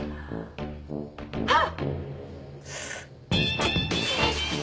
はっ！